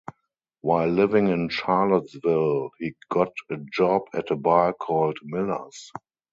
While living in Charlottesville, he got a job at a bar called Miller's.